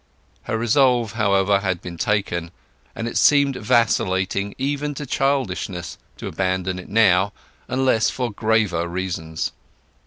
Her resolve, however, had been taken, and it seemed vacillating even to childishness to abandon it now, unless for graver reasons.